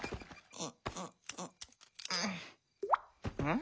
ん？